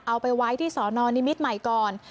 เอาไปไว้ที่สอนอนิมิตรใหม่ก่อน